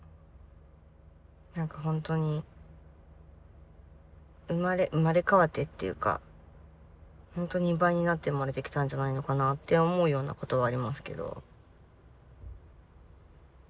何かほんとに生まれ変わってっていうかほんと２倍になって生まれてきたんじゃないのかなって思うようなことはありますけど。